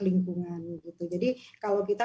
lingkungan jadi kalau kita